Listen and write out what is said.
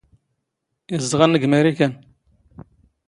ⵉⵣⴷⵖ ⵏⵏ ⴳ ⵎⴰⵔⵉⴽⴰⵏ.